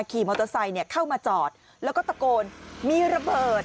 ขี่มอเตอร์ไซค์เข้ามาจอดแล้วก็ตะโกนมีระเบิด